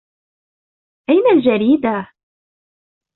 أَيْنَ الْجَرِيدَةُ ؟